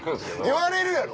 言われるやろ？